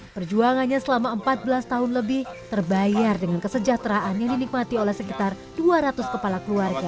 perjuangannya selama empat belas tahun lebih terbayar dengan kesejahteraan yang dinikmati oleh sekitar dua ratus kepala keluarga